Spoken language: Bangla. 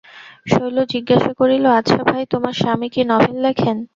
শৈল জিজ্ঞাসা করিল, আচ্ছা ভাই, তোমার স্বামী কি নভেল লেখেন?